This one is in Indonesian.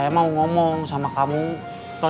maaf saya terlambat